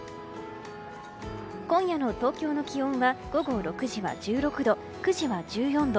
今夜の東京の気温は午後６時は１６度９時は１４度。